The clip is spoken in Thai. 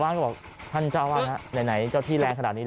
ก็บอกท่านเจ้าวาดไหนเจ้าที่แรงขนาดนี้